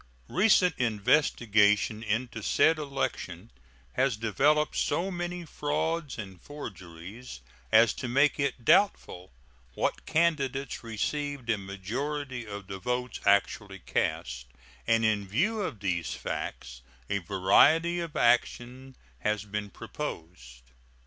Recent investigation into said election has developed so many frauds and forgeries as to make it doubtful what candidates received a majority of the votes actually cast, and in view of these facts a variety of action has been proposed.